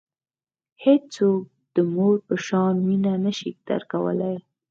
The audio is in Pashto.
هیڅوک د مور په شان مینه نه شي درکولای.